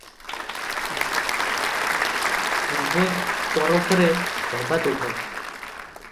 ପୂର୍ବ ତରଫରେ ଧୋବାତୁଠ ।